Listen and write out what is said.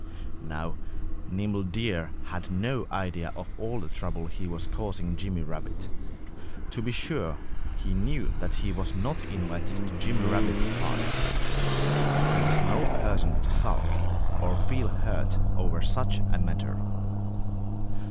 Now, Nimble Deer had no idea of all the trouble he was causing Jimmy Rabbit. To be sure, he knew that he was not invited to Jimmy Rabbit's party. But he was no person to sulk or feel hurt over such a matter.